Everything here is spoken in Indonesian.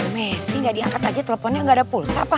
messi nggak diangkat aja teleponnya nggak ada pulsa pak